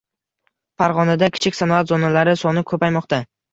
Farg‘onada kichik sanoat zonalari soni ko‘paymoqda